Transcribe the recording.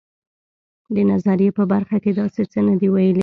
د نظریې په برخه کې داسې څه نه دي ویلي.